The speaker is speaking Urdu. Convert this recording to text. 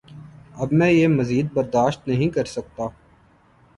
اب میں یہ مزید برداشت نہیں کرسکتا